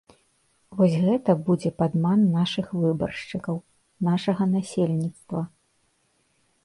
Вось гэта будзе падман нашых выбаршчыкаў, нашага насельніцтва.